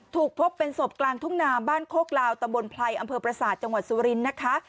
พบเป็นศพกลางทุ่งนาบ้านโคกลาวตำบลไพรอำเภอประสาทจังหวัดสุรินทร์นะคะ